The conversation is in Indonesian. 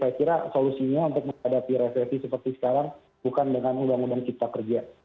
saya kira solusinya untuk menghadapi resesi seperti sekarang bukan dengan undang undang cipta kerja